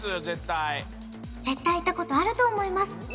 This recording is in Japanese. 絶対絶対行ったことあると思います！